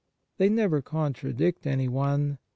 They never contradict anyone.